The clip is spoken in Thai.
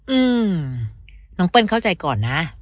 อืมน้องเปิ้ลเข้าใจก่อนนะ